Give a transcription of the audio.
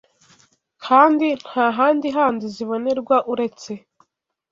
kandi nta handi handi zibonerwa uretse